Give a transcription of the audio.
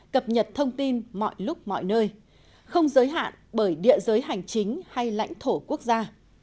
cập nhật thông tin mọi lúc mọi nơi không giới hạn bởi địa giới hành chính hay lãnh thổ quốc gia